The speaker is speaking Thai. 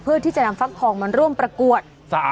เพื่อที่จะนำฟักทองมาร่วมประกวด